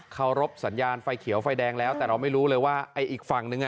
เขารบสัญญาณไฟเขียวไฟแดงแล้วแต่เราไม่รู้เลยว่าไอ้อีกฝั่งนึงอ่ะ